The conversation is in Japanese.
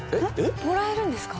貰えるんですか？